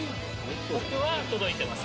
僕は届いてます。